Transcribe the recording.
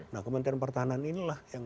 nah kementerian pertahanan inilah yang